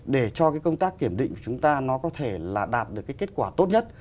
để cho cái công tác kiểm định của chúng ta nó có thể là đạt được cái kết quả tốt nhất